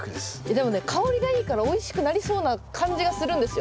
でもね香りがいいからおいしくなりそうな感じがするんですよ。